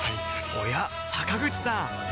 おや坂口さん